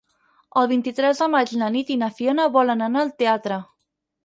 El vint-i-tres de maig na Nit i na Fiona volen anar al teatre.